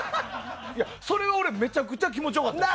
それはめちゃくちゃ気持ち良かったです。